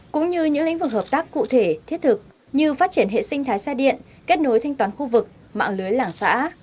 cũng như những lĩnh vực hợp tác cụ thể thiết thực như phát triển hệ sinh thái xe điện kết nối thanh toán khu vực mạng lưới làng xã